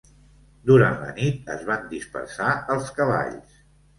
Durant la nit es van dispersar els cavalls.